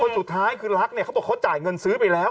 สุดท้ายคือรักเนี่ยเขาบอกเขาจ่ายเงินซื้อไปแล้ว